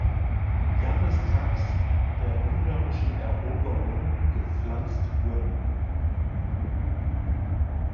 Jahrestags der ungarischen Eroberung gepflanzt wurden.